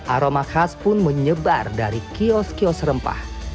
aroma khas pun menyebar dari kios kios rempah